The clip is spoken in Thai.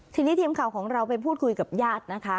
ทีนี้ทีมข่าวของเราไปพูดคุยกับญาตินะคะ